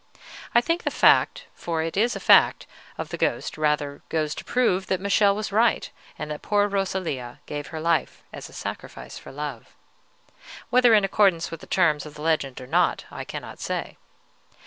I think the fact for it is a fact of the ghost rather goes to prove that Michele was right, and that poor Rosalia gave her life a sacrifice for love, whether in accordance with the terms of the legend or not, I cannot say.